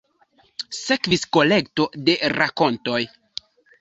Sekvis kolekto de rakontoj".